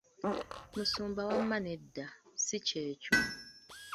Musumba wama nedda, si kyekyo.